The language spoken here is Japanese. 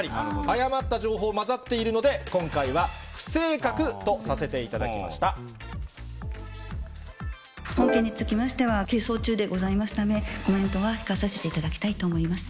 誤った情報、交ざっているので、今回は本件につきましては、係争中でございますため、コメントは控えさせていただきたいと思います。